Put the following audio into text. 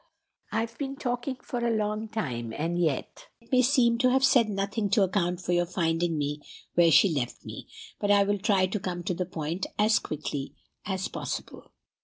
"I have been talking for a long time, and yet may seem to have said nothing to account for your finding me where she left me; but I will try to come to the point as quickly as possible.